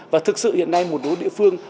và thực sự hiện nay một đối địa phương